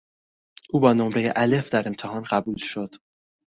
او با نمره الف در امتحان قبول شد.